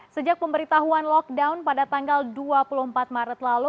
sejak pemberitahuan lockdown pada tanggal dua puluh empat maret lalu